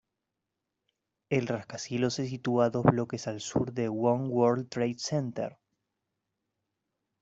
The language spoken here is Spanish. El rascacielos se sitúa dos bloques al sur de One World Trade Center.